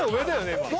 今。